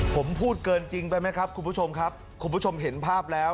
ผมพูดเกินจริงไปไหมครับคุณผู้ชมครับคุณผู้ชมเห็นภาพแล้ว